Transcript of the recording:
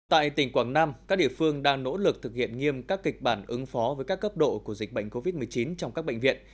tại tỉnh quảng nam các địa phương đang nỗ lực thực hiện nghiêm các kịch bản ứng phó với các cấp độ của dịch bệnh covid một mươi chín trong các bệnh viện